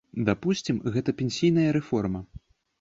Дапусцім, гэта пенсійная рэформа.